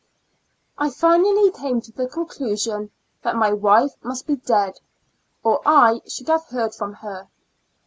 I finally came to the conclusion that my wife must be dead, or I should have heard from her.